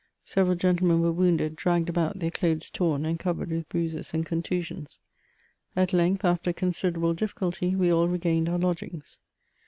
Several gentle* men were wounded, dragged about, their clothes torn, and covered with bruises and contusions. At length, ^ after considerable diffi culty, we all regained our lodgings.